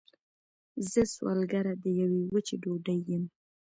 زه سوالګره د یوې وچې ډوډۍ یم